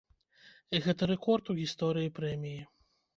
Гэта рэкорд у гісторыі прэміі.